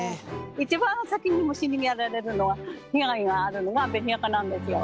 一番先に虫にやられるのは被害があるのが紅赤なんですよ。